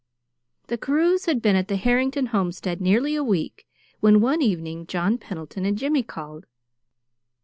The Carews had been at the Harrington homestead nearly a week when one evening John Pendleton and Jimmy called.